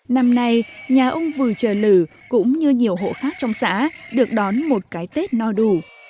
năm nay nhà ông vừa trời lử cũng như nhiều hộ khác trong xã được đón một cái tết no đủ